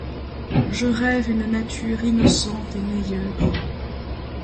Je rêve une nature innocente et meilleure ;